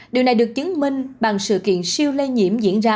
điều này được chứng minh bằng sự kiện siêu lây nhiễm diễn ra